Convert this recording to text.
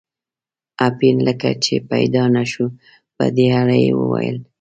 اپین لکه چې پیدا نه شو، په دې اړه یې وویل.